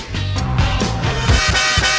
แฟน